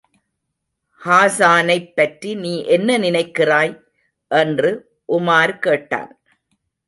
ஹாஸானைப் பற்றி நீ என்ன நினைக்கிறாய்? என்று உமார் கேட்டான்.